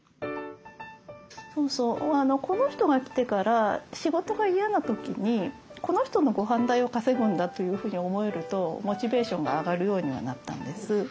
そうそうこの人が来てから仕事が嫌な時にこの人のごはん代を稼ぐんだというふうに思えるとモチベーションが上がるようにはなったんです。